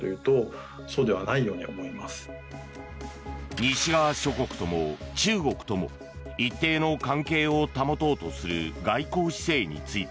西側諸国とも中国とも一定の関係を保とうとする外交姿勢について